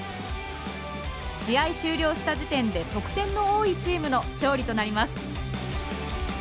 試合終了した時点で得点の多いチームの勝利となります。